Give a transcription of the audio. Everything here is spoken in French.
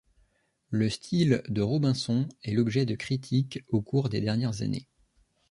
Le style de Robinson est l'objet de critiques au cours des dernières années.